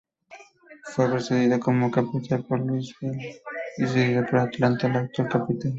Fue precedida como capital por Louisville y sucedida por Atlanta, la actual capital.